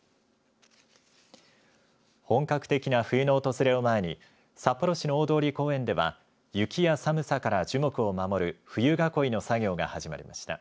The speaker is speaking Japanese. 本格的な冬の訪れを前に札幌市の大通公園では雪や寒さから樹木を守る冬囲いの作業が始まりました。